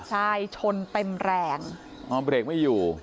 ใช่ชนเต็มแรงอ๋อเบรกไม่อยู่